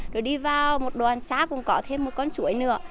rồi đi vào một đoàn xã cũng có thêm một con suối nữa